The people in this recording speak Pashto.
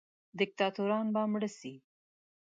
دیکتاتوران به مړه سي.